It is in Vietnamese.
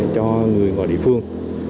cho người ngoài địa phương